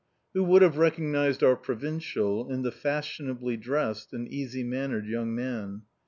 Who would have recognised our provincial in the fashionably dressed and easy mannered young man